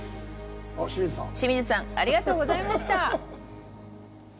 冷水さん、ありがとうございました！